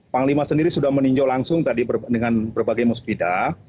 panglima sendiri sudah meninjau langsung tadi dengan berbagai musbidah